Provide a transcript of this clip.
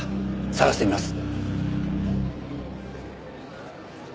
捜してみます。